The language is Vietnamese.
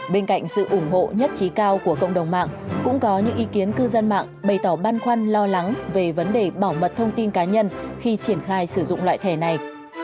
bên cạnh sự ủng hộ nhất trí cao của cộng đồng mạng cũng có những ý kiến cư dân mạng bày tỏ băn khoăn lo lắng về vấn đề bảo mật thông tin cá nhân khi triển khai sử dụng loại thẻ này